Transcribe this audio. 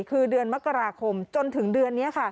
คือเดือนมกราคมจนถึงเดือนนี้ค่ะ